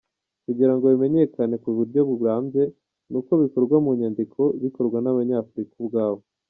Kugira ngo bimenyekane ku buryo burambye ni uko bikorwa munyandiko bikorwa n’ Abanyafurika ubwabo.